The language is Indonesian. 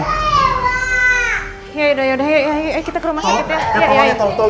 tolong ya tolong jagain dia